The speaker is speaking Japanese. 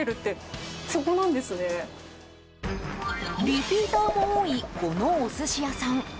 リピーターも多いこのお寿司屋さん。